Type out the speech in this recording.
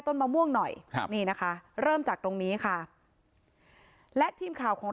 มะม่วงหน่อยครับนี่นะคะเริ่มจากตรงนี้ค่ะและทีมข่าวของเรา